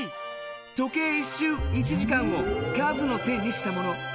時計１しゅう１時間を数の線にしたもの。